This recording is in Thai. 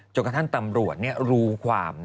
แล้วก็ท่านตำรวจรู้ความ